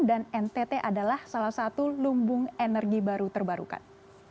dan ntt adalah salah satu lumbung energi baru terbarukan